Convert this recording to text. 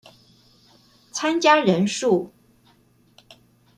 參加人數